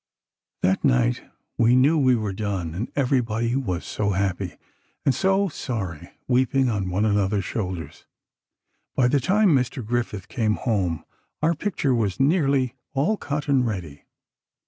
"That night we knew we were done, and everybody was so happy, and so sorry, weeping on one another's shoulders. By the time Mr. Griffith came home, our picture was nearly all cut, and ready.